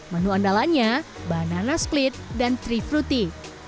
menu andalanya banana split dan tree fruity